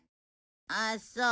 あっそう。